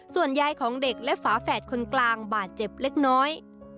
ส่วนยายของเด็กและฝาแฝดคนกลางบาดเจ็บเล็กน้อย